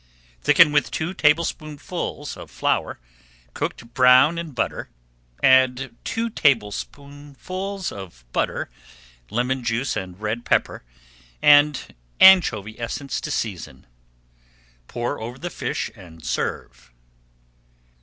Thicken with two tablespoonfuls of flour cooked brown in butter, add two tablespoonfuls of butter, lemon juice, red pepper, and anchovy essence to season. Pour over the fish, and serve.